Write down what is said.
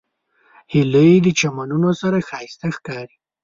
هیلۍ د چمنونو سره ښایسته ښکاري